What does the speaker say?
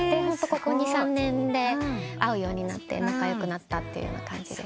ここ２３年で会うようになって仲良くなった感じです。